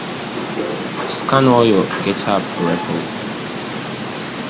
scan all your GitHub repos